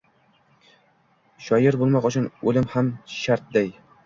shoir boʼlmoq uchun oʼlim ham shartday.